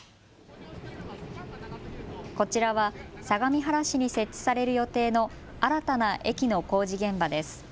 こちらは相模原市に設置される予定の新たな駅の工事現場です。